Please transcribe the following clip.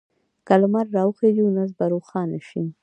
که لمر راوخېژي، نو ورځ به روښانه شي.